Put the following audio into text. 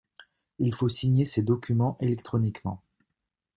Il faut signer ses documents électroniquement.